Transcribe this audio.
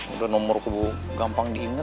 udah nomor gue gampang diinget